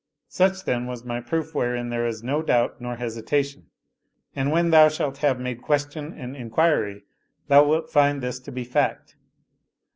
Such, then, was my proof wherein there is no doubt nor hesitation ; and when thou shalt have made question and inquiry thou wilt find this to be fact."